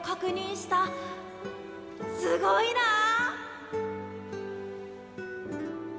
すごいなあ。